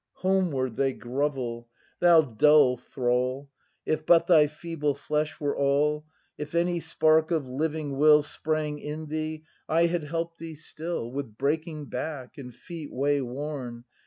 ] Homeward they grovel! Thou dull thrall. If but thy feeble flesh were all, If any spark of living will Sprang in thee, I had help'd thee still. With breaking back, and feet way worn.